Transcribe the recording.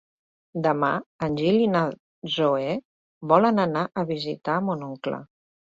Demà en Gil i na Zoè volen anar a visitar mon oncle.